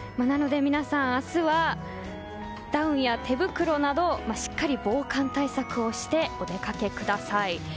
皆さん明日はダウンや手袋などしっかり防寒対策をしてお出かけください。